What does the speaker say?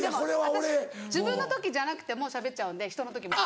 私自分の時じゃなくてもしゃべっちゃうんで人の時も。